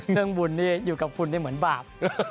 เรื่องบุญนี่อยู่กับคุณได้เหมือนบาป